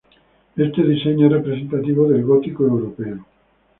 Este diseño es representativo del gótico europeo.